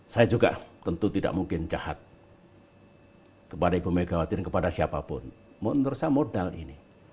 saya juga tentu tidak mungkin jahat kepada ibu megawati dan kepada siapapun menurut saya modal ini